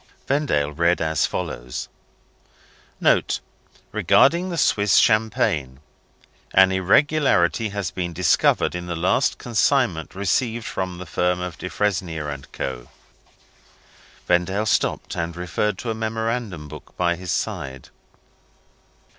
Vendale read as follows: "Note, respecting the Swiss champagne. An irregularity has been discovered in the last consignment received from the firm of Defresnier and Co." Vendale stopped, and referred to a memorandum book by his side.